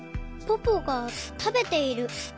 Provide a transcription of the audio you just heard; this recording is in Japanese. ポポがたべている。